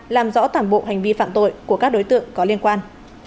làm rõ toàn bộ hành vi phạm tội của các đối tượng có liên quan